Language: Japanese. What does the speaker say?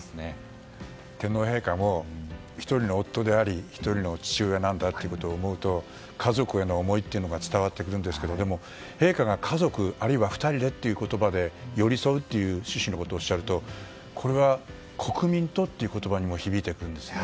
天皇陛下も１人の夫であり１人の父親なんだと思うと家族への思いが伝わってくるんですがでも、陛下が家族あるいは２人でという言葉で寄り添うという趣旨のことをおっしゃるとこれは国民とという言葉にも響いてくるんですね。